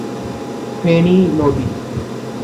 ফেনী নদী।